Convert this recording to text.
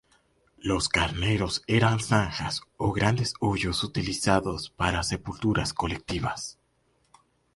Los carneros eran zanjas o grandes hoyos utilizados para sepulturas colectivas.